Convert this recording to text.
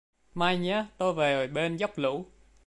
Mai nhé! Tôi về bên dốc lũ